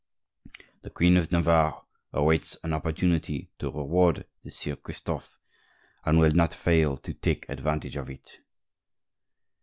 The queen of Navarre awaits an opportunity to reward the Sieur Christophe, and will not fail to take advantage of it.